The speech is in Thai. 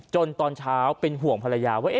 ตอนเช้าเป็นห่วงภรรยาว่า